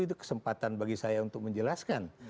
itu kesempatan bagi saya untuk menjelaskan